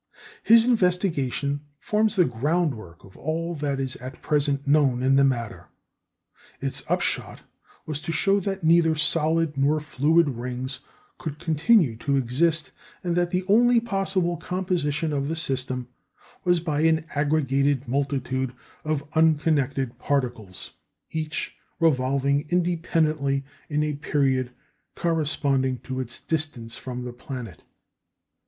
His investigation forms the groundwork of all that is at present known in the matter. Its upshot was to show that neither solid nor fluid rings could continue to exist, and that the only possible composition of the system was by an aggregated multitude of unconnected particles, each revolving independently in a period corresponding to its distance from the planet.